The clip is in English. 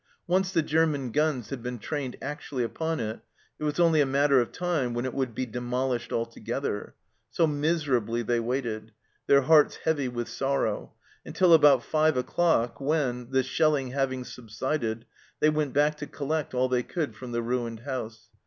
Once the German guns had been trained actually upon it, it was only a matter of time when it would be demolished altogether. So miserably they waited, their hearts heavy with sorrow, until about five o'clock, when, the shelling having subsided, they went back to collect all they could from the ruined house.